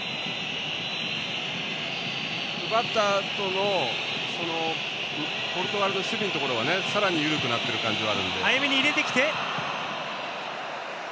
奪ったあとのポルトガルの守備のところはさらに緩くなってる感じがあるので。